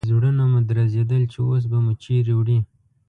زړونه مو درزېدل چې اوس به مو چیرې وړي.